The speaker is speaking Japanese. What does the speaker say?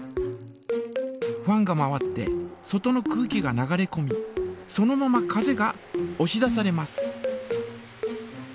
ファンが回って外の空気が流れこみそのまま風がおし出されます。